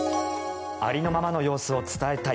ありのままの様子を伝えたい。